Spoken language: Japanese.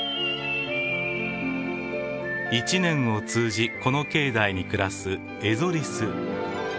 一年を通じこの境内に暮らすエゾリス。